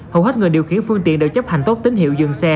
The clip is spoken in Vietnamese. hầu hết người điều khiển phương tiện đều chấp hành tốt tín hiệu dừng xe